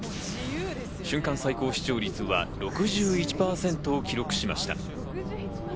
瞬間最高視聴率は６１％を記録しました。